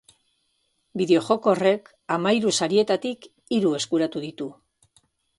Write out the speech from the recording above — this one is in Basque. Bideojoko horrek hamahiru sarietatik hiru eskuratu ditu.